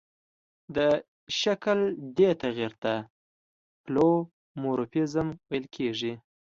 د شکل دې تغیر ته پلئومورفیزم ویل کیږي.